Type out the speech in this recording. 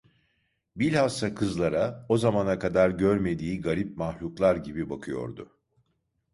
Bilhassa kızlara, o zamana kadar görmediği garip mahluklar gibi bakıyordu.